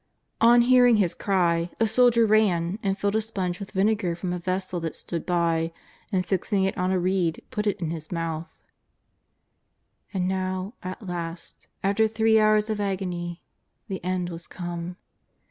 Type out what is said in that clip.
On hearing His cry, a soldier ran, and filled a sponge with vinegar from a vessel that stood by, and, fixing it on a reed, put it to His mouth. And now at last, after three hours of agony, the end was come.